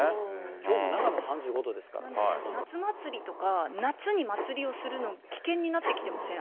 きょうも長野、３５度ですか夏祭りとか、夏に祭りをするの、危険になってきてません？